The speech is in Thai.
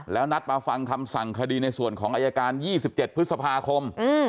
แล้วนัดมาฟังคำสั่งคดีในส่วนของอายการ๒๗พฤษภาคม